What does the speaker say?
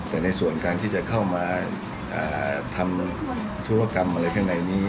แต่ในส่วนการที่จะเข้ามาทำธุรกรรมอะไรข้างในนี้